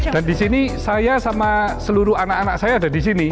dan di sini saya sama seluruh anak anak saya ada di sini